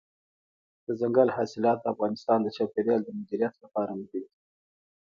دځنګل حاصلات د افغانستان د چاپیریال د مدیریت لپاره مهم دي.